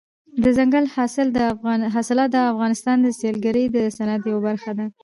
دځنګل حاصلات د افغانستان د سیلګرۍ د صنعت یوه برخه ده.